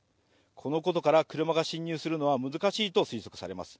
このことから車が進入するのは難しいとされます。